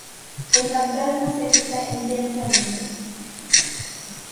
El Fantasma se agita intensamente.